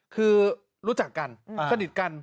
คือรู้จักกันสนิทกัน